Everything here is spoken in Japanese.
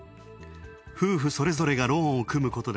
夫婦それぞれがローンを組むことで、